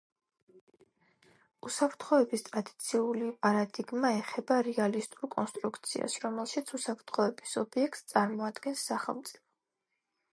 უსაფრთხოების ტრადიციული პარადიგმა ეხება რეალისტურ კონსტრუქციას, რომელშიც უსაფრთხოების ობიექტს წარმოადგენს სახელმწიფო.